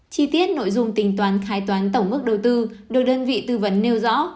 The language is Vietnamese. chi tiết nội dung tình toán khai toán tổng mức đầu tư được đơn vị tư vấn nêu rõ